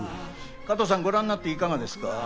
加藤さん、ご覧になっていかがですか？